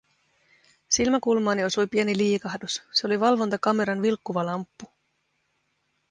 Silmäkulmaani osui pieni liikahdus, se oli valvontakameran vilkkuva lamppu.